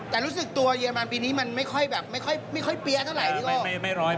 แต่รู้สึกจากเรมันปีนี้มันไม่ค่อยเปี๊ยร์ที่ค่อนข้าง